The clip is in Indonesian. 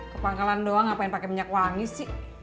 ke pangkalan doang ngapain pake minyak wangi sih